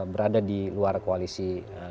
berada di luar koalisi